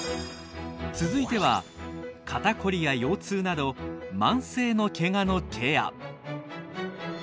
続いては肩こりや腰痛など慢性のケガのケア。